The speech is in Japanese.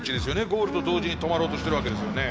ゴールと同時に止まろうとしてるわけですよね。